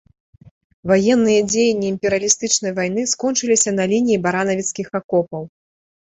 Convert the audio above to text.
Ваенныя дзеянні імперыялістычнай вайны скончыліся на лініі баранавіцкіх акопаў.